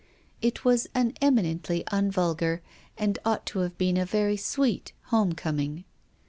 It was an eminently unvulgar, and ought to have been a very sweet, home coming.